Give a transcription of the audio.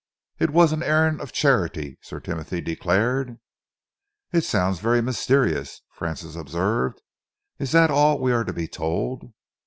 "It was an errand of charity," Sir Timothy declared. "It sounds very mysterious," Francis observed. "Is that all we are to be told?"